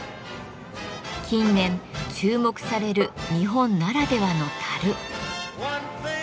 近年注目される日本ならではの樽。